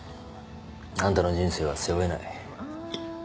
あんたの人生は背負えない。